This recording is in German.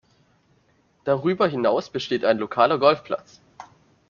Darüber hinaus besteht ein lokaler Golfplatz.